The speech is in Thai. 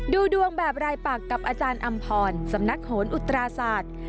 ดูดวงแบบรายปักกับอาจารย์อำพรสำนักโหนอุตราศาสตร์